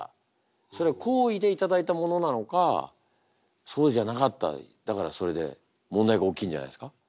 それは好意で頂いたものなのかそうじゃなかったりだからそれで問題が起きんじゃないですか。